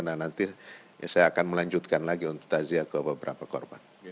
nah nanti saya akan melanjutkan lagi untuk tazia ke beberapa korban